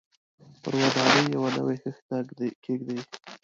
پر ودانۍ یوه نوې خښته کېږدي.